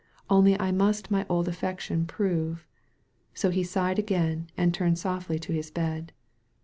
Only I must my old affection prove. So he sighed again and turned Softly to his bed.